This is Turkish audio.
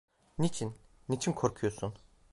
Niçin, niçin korkuyorsun?